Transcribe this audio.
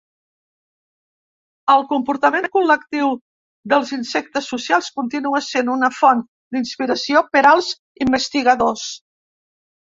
El comportament col·lectiu dels insectes socials continua sent una font d'inspiració per als investigadors.